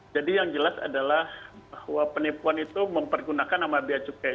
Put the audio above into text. jadi yang jelas adalah bahwa penipuan itu mempergunakan nama bea cukai